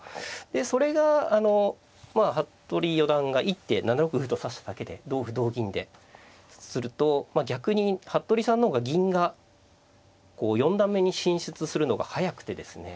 でそれがあの服部四段が一手７六歩と指しただけで同歩同銀ですると逆に服部さんの方が銀がこう四段目に進出するのが速くてですね